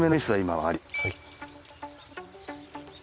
はい。